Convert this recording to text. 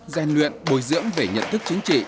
gian luyện bồi dưỡng về nhận thức chính trị